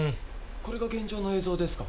これが現場の映像ですか？